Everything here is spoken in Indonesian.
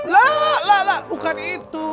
lah lah lah bukan itu